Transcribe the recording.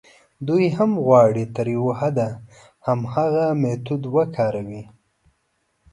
دوی هم غواړي تر یوه حده همدغه میتود وکاروي.